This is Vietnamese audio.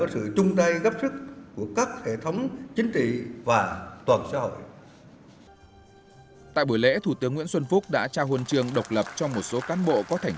tại buổi lễ thủ tướng nguyễn xuân phúc đã trao huân trường độc lập cho một số cán bộ có thành